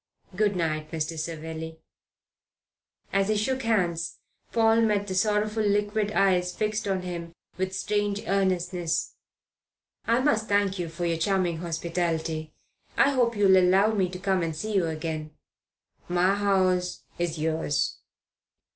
Good night, Mr. Savelli." As he shook hands Paul met the sorrowful liquid eyes fixed on him with strange earnestness. "I must thank you for your charming hospitality. I hope you'll allow me to come and see you again." "My house is yours."